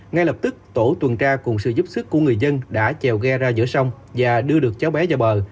ngay lập tức tổ tuần tra cùng sự giúp sức của người dân đã trèo ghe ra giữa sông và đưa được cháu bé ra bờ